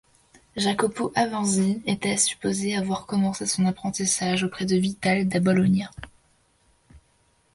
Jacopo Avanzi est supposé avoir commencé son apprentissage auprès de Vitale da Bologna.